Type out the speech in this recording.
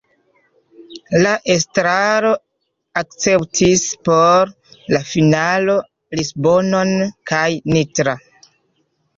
La estraro akceptis por la finalo Lisbonon kaj Nitra.